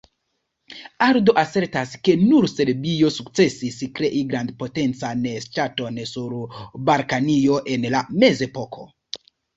Aldo asertas, ke nur Serbio sukcesis krei grandpotencan ŝtaton sur Balkanio en la mezepoko.